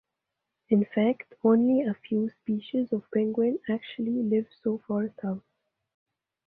In fact, only a few species of penguin actually live so far south.